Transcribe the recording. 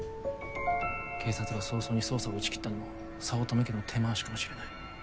警察が早々に捜査を打ち切ったのも早乙女家の手回しかもしれない。